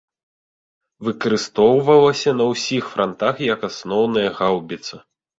Выкарыстоўвалася на ўсіх франтах як асноўная гаўбіца.